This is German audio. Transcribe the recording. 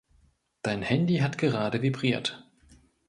Dein Handy hat gerade vibriert.